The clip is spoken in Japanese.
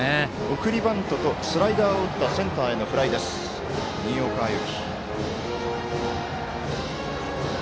送りバントとスライダーを打ったセンターへのフライ、新岡歩輝。